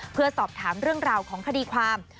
เพื่อสอบถามเรื่องราวของคดีความ